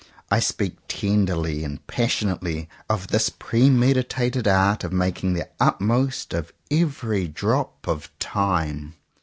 I speak tenderly and passionately of this premeditated art of making the utmost of every drop of Time.